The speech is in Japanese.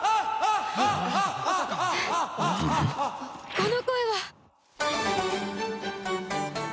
この声は！